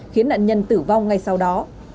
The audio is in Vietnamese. khiến nạn nhân tử vong ngay sau đó